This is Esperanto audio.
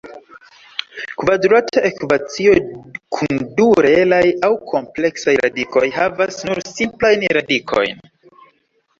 Kvadrata ekvacio kun du reelaj aŭ kompleksaj radikoj havas nur simplajn radikojn.